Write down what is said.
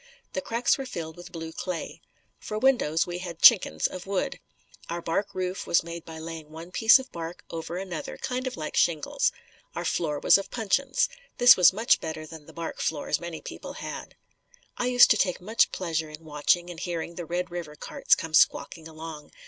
The cracks were filled with blue clay. For windows, we had "chinkins" of wood. Our bark roof was made by laying one piece of bark over another, kind of like shingles. Our floor was of puncheons. This was much better than the bark floors, many people had. I used to take much pleasure in watching and hearing the Red River carts come squawking along.